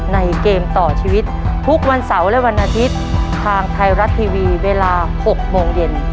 เกมต่อชีวิตทุกวันเสาร์และวันอาทิตย์ทางไทยรัฐทีวีเวลา๖โมงเย็น